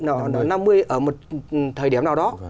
năm mươi ở một thời điểm nào đó